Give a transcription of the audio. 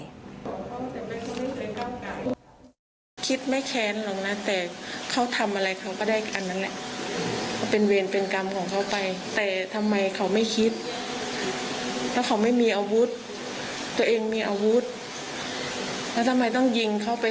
ยังไงก็ช่าง